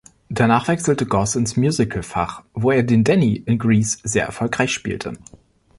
Danach wechselte Goss ins Musical-Fach, wo er den "Danny" in "Grease" sehr erfolgreich spielte.